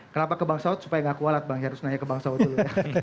kenapa ke bang saud supaya gak kualat bang ya harus nanya ke bang saud dulu